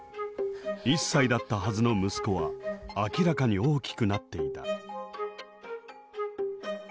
１歳だったはずの息子は明らかに大きくなっていた。